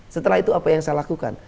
setelah itu apa yang saya lakukan